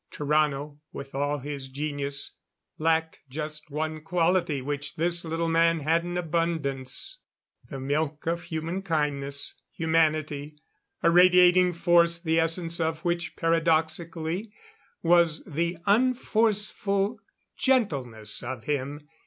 Tarrano, with all his genius, lacked just one quality which this little man had in abundance. The milk of human kindness humanity a radiating force the essence of which paradoxically was the unforceful gentleness of him.